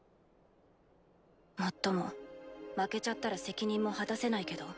もっとも負けちゃったら責任も果たせないけど。